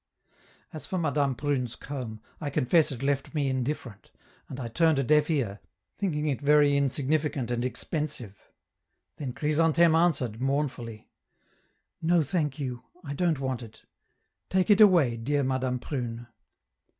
As for Madame Prune's comb, I confess it left me indifferent, and I turned a deaf ear, thinking it very insignificant and expensive. Then Chrysantheme answered, mournfully: "No, thank you, I don't want it; take it away, dear Madame Prune."